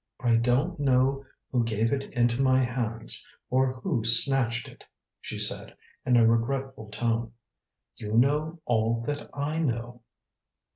"I don't know who gave it into my hands, or who snatched it," she said, in a regretful tone. "You know all that I know."